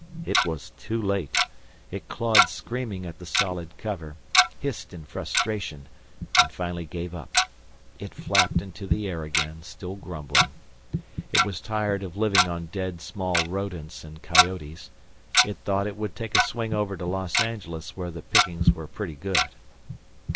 It was too late. It clawed screaming at the solid cover, hissed in frustration and finally gave up. It flapped into the air again, still grumbling. It was tired of living on dead small rodents and coyotes. It thought it would take a swing over to Los Angeles, where the pickings were pretty good.